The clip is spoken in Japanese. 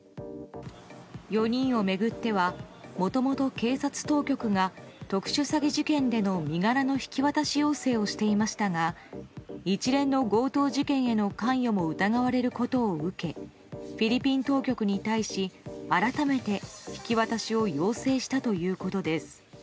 ４人を巡ってはもともと警察当局が特殊詐欺事件での身柄の引き渡し要請をしていましたが一連の強盗事件への関与も疑われることを受けフィリピン当局に対し改めて引き渡しを要請したということです。